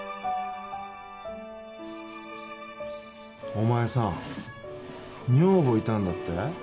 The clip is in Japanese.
・お前さん女房いたんだって？